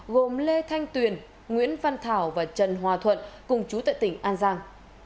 gồm lê thanh tuyền nguyễn văn thảo và trần hòa thuận cùng chú tại tỉnh an giang